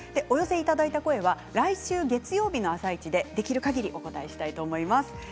お寄せいただいた声は来週月曜日の「あさイチ」でできるかぎりお答えしたいと思います。